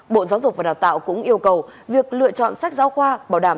bộ giáo dục và đào tạo cũng yêu cầu việc lựa chọn sách giáo khoa bảo đảm